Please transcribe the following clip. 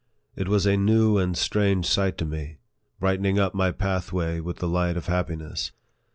It was a new and strange sight to me, brightening up my pathway with the light of happiness.